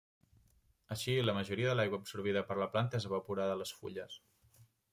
Així la majoria de l'aigua absorbida per la planta és evaporada a les fulles.